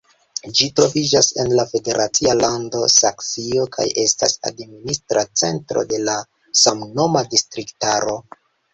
Ĝi troviĝas en la federacia lando Saksio kaj estas administra centro de samnoma distriktaro.